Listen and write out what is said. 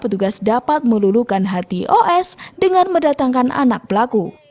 petugas dapat melulukan hati os dengan mendatangkan anak pelaku